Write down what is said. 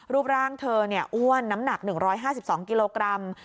รูปร่างเธออ้วนน้ำหนัก๑๕๒กิโลกรัม